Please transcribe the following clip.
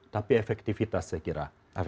tapi efektivitas saya kira